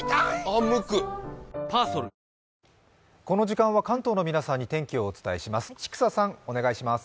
この時間は関東の皆さんに天気をお伝えします。